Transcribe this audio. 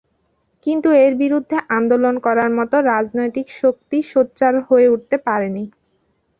কিন্তু এর বিরুদ্ধে আন্দোলন করার মতো রাজনৈতিক শক্তি সোচ্চার হয়ে উঠতে পারেনি।